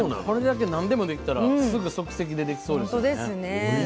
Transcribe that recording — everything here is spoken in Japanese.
これだけ何でもできたらすぐ即席でできそうですよね。